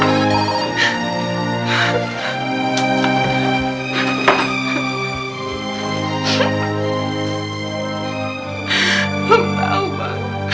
aku tau bang